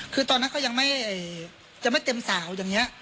คือตอนนั้นเขายังไม่เต็มสาวอย่างนี้